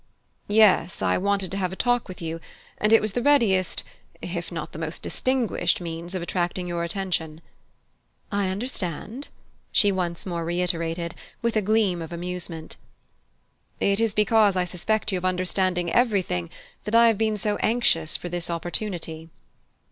"Yes: I wanted to have a talk with you, and it was the readiest if not the most distinguished means of attracting your attention." "I understand," she once more reiterated, with a gleam of amusement. "It is because I suspect you of understanding everything that I have been so anxious for this opportunity."